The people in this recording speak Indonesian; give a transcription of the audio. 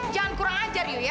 jangan kurang ajar yuk ya